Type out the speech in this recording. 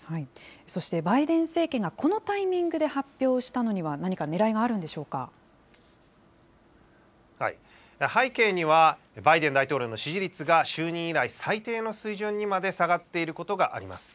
そして、バイデン政権がこのタイミングで発表したのには、何背景には、バイデン大統領の支持率が就任以来、最低の水準にまで下がっていることがあります。